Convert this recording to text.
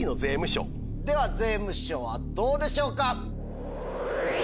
では税務署はどうでしょうか？